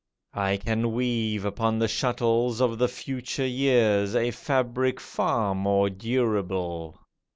I can weave Upon the shuttles of the future years A fabric far more durable.